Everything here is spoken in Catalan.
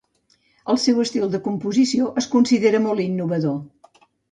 El seu estil de composició es considera molt innovador.